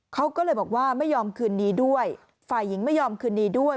เขาก็เลยบอกว่าไม่ยอมคืนดีด้วยฝ่ายหญิงไม่ยอมคืนดีด้วย